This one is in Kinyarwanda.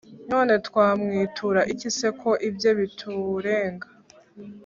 None twamwitura iki se ko ibye biturenga